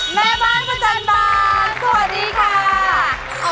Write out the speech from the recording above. แม่บ้านประจันบานสวัสดีค่ะ